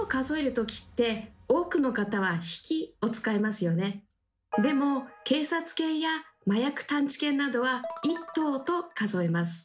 多くの方はでも警察犬や麻薬探知犬などは「１頭」と数えます。